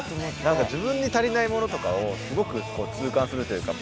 何か自分に足りないものとかをすごく痛感するというか。